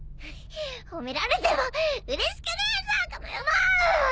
褒められてもうれしくねえぞコノヤロ！